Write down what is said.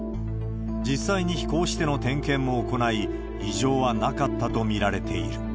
実際に飛行しての点検も行い、異常はなかったと見られている。